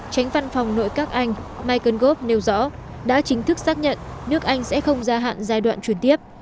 tránh văn phòng nội các anh michael gove nêu rõ đã chính thức xác nhận nước anh sẽ không gia hạn giai đoạn chuyển tiếp